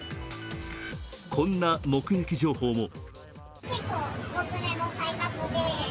こんな目撃情報も。